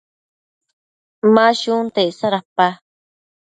Ma shunta icsa dapa?